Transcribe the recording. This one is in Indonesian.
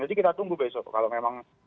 jadi kita tunggu besok kalau memang